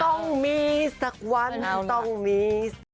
ต้องมีสักวันต้องมีสักวัน